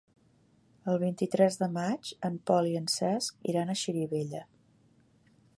El vint-i-tres de maig en Pol i en Cesc iran a Xirivella.